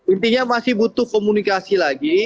intinya masih butuh komunikasi lagi